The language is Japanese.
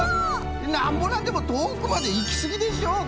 なんぼなんでもとおくまでいきすぎでしょうこれ！